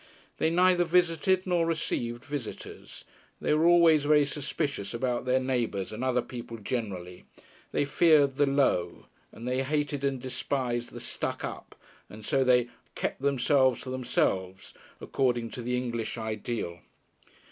They neither visited nor received visitors. They were always very suspicious about their neighbours and other people generally; they feared the "low" and they hated and despised the "stuck up," and so they "kept themselves to themselves," according to the English ideal.